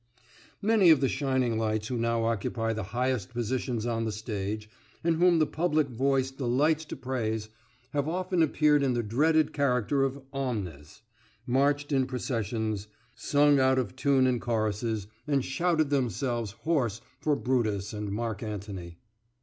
Many of the shining lights who now occupy the highest positions on the stage, and whom the public voice delights to praise, have often appeared in the dreaded character of omnes, marched in processions, sung out of tune in choruses, and shouted themselves hoarse for Brutus and Mark Antony.